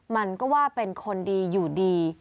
มันก็ว่าเป็นคนดีอยู่ดี